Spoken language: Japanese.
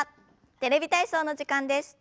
「テレビ体操」の時間です。